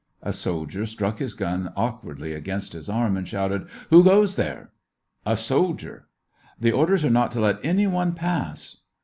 A soldier struck his gun awkwardly against his arm, and shouted :—*' Who goes there ?" "A soldier." " The orders are not to let any one pass